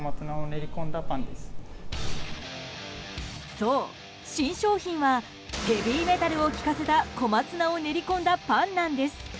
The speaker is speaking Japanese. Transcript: そう、新商品はヘビーメタルを聴かせた小松菜を練り込んだパンなんです。